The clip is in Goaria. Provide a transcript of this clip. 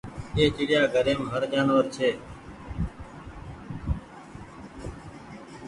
اي چڙيا گهريم هر جآنور ڇي۔